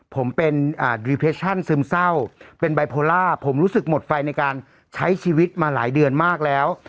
ผมเป็นอ่าซึมเศร้าเป็นผมรู้สึกหมดไฟในการใช้ชีวิตมาหลายเดือนมากแล้ว